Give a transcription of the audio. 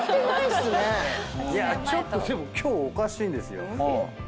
ちょっとでも今日おかしいんですよ。